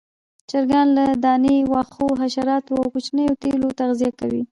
چرګان له دانې، واښو، حشراتو او کوچنيو تیلو تغذیه کوي.